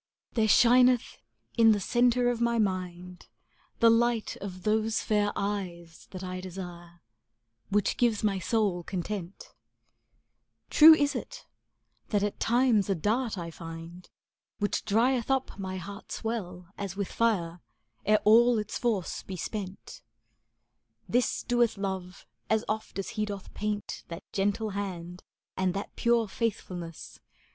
There shineth in the centre of my mind The light of those fair eyes that I desire, ^ Which gives my soul content ; True is it that at times a dart I find Which drieth up my heart's well as with fire, Ere all its force be spent; This doeth Love as oft as he doth paint ^° That gentle hand and that pure faithfulness.